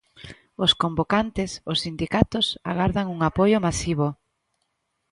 Os convocantes, os sindicatos, agardan un apoio masivo.